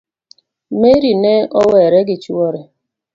Mary ne owere gi chuore